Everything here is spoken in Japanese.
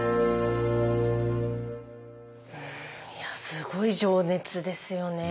いやすごい情熱ですよね。